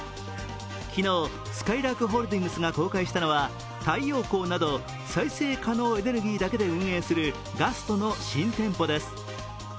昨日、すかいらーくホールディングスが公開したのは太陽光など再生可能エネルギーだけで運営するガストの新店舗です。